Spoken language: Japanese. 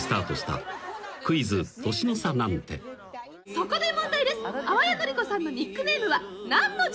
「そこで問題です」